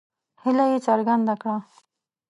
هیله یې څرګنده کړه.